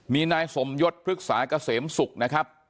มีนายสมยศพฤกษาเกษมศุกร์นะครับ